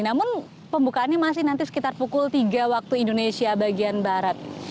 namun pembukaannya masih nanti sekitar pukul tiga waktu indonesia bagian barat